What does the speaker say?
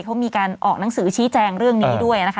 เขามีการออกหนังสือชี้แจงเรื่องนี้ด้วยนะคะ